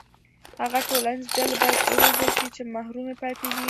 هغه ټولنیزې ډلې باید وروزل شي چې محرومې پاتې دي.